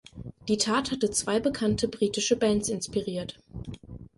Die Tat hatte zwei bekannte britische Bands inspiriert.